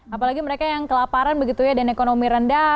apalagi mereka yang kelaparan dan ekonomi rendah